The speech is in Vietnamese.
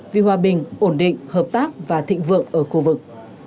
vì hòa bình ổn định hợp tác và thịnh vượng ở khu vực